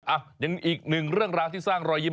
อ่ะยังอีกหนึ่งเรื่องราวที่สร้างรอยยิ้ม